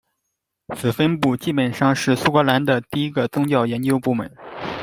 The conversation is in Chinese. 此分部基本上是苏格兰的第一个宗教研究部门。